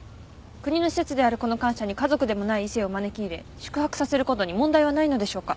国の施設であるこの官舎に家族でもない異性を招き入れ宿泊させることに問題はないのでしょうか？